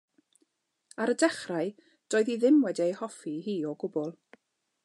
Ar y dechrau doedd hi ddim wedi'i hoffi hi o gwbl.